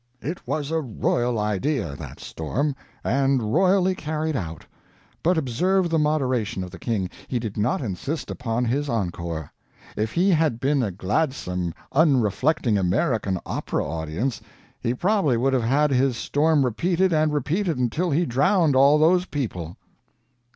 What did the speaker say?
It was a royal idea that storm and royally carried out. But observe the moderation of the King; he did not insist upon his encore. If he had been a gladsome, unreflecting American opera audience, he probably would have had his storm repeated and repeated until he drowned all those people.